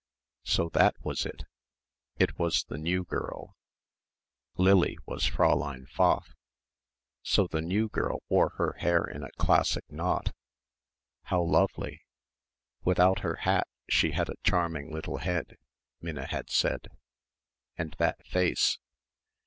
So that was it. It was the new girl. Lily, was Fräulein Pfaff. So the new girl wore her hair in a classic knot. How lovely. Without her hat she had "a charming little head," Minna had said. And that face.